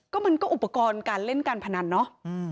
ก็มันก็อุปกรณ์การเล่นการพนันเนาะ